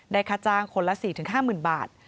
ค่าจ้างคนละ๔๕๐๐๐บาท